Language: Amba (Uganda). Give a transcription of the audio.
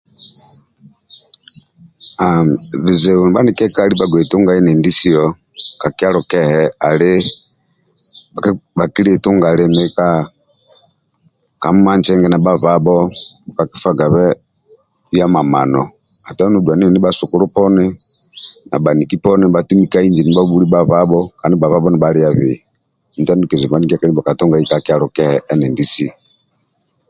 Bizibu dia bhanikiekali bhagbei tungai endindisio ka kyalo kehe ali bhakili tunga limi ka mulima nsenge ndia bha ababho bhakakifuabe iya mamano ati aduni endindi bhasukulu poni na bhaniki nibhatumi ka inji ndibha bhabhuli bha abaho ka ndi bha ababho nibhaliabei